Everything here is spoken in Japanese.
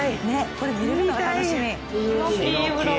これ見れるのが楽しみ。